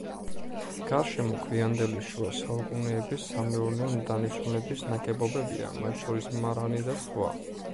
გარშემო გვიანდელი შუა საუკუნეების სამეურნეო დანიშნულების ნაგებობებია, მათ შორის მარანი და სხვა.